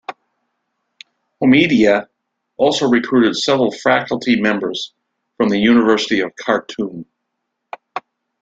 Homeida also recruited several faculty members from the University of Khartoum.